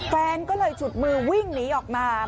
แฟนก็เลยฉุดมือวิ่งหนีออกมา